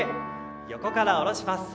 横から下ろします。